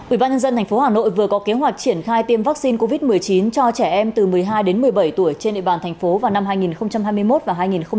ủy ban nhân dân tp hà nội vừa có kế hoạch triển khai tiêm vaccine covid một mươi chín cho trẻ em từ một mươi hai đến một mươi bảy tuổi trên địa bàn thành phố vào năm hai nghìn hai mươi một và hai nghìn hai mươi năm